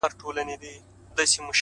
بيا تس ته سپكاوى كوي بدرنگه ككــرۍ.